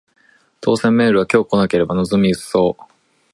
当せんメールは今日来なければ望み薄そう